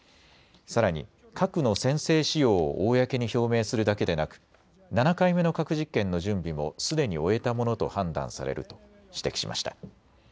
さらに核の先制使用を公に表明するだけでなく、７回目の核実験の準備もすでに終えたものと判断されると指摘しました。